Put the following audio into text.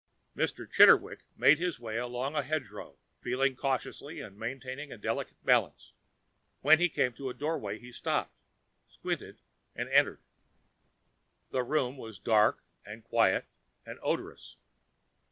Mr. Chitterwick made his way along a hedgerow, feeling cautiously and maintaining a delicate balance. When he came to a doorway he stopped, squinted and entered. The room was dark and quiet and odorous.